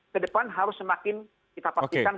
ke depan harus semakin kita paksikan